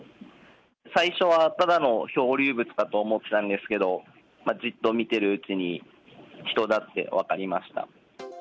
最初はただの漂流物かと思ったんですけど、じっと見てるうちに、人だ！って分かりました。